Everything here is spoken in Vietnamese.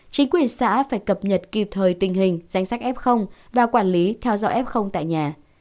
chính quyền xã phải cập nhật kịp thời tình hình danh sách f và quản lý theo dõi f tại nhà